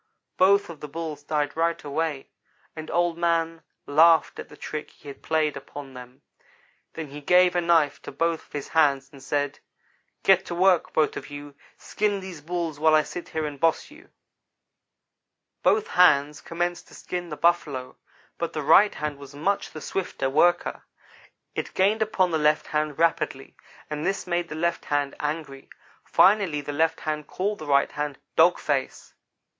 "Both of the Bulls died right away, and Old man laughed at the trick he had played upon them. Then he gave a knife to both of his hands, and said: "'Get to work, both of you! Skin these Bulls while I sit here and boss you.' "Both hands commenced to skin the Buffalo, but the right hand was much the swifter worker. It gained upon the left hand rapidly, and this made the left hand angry. Finally the left hand called the right hand 'dog face.'